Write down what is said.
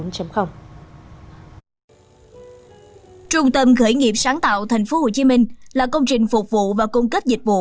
trung tâm khởi nghiệp sáng tạo tp hcm là công trình phục vụ và cung cấp dịch vụ